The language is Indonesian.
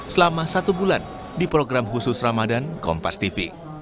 selama satu bulan di program khusus ramadan kompas tv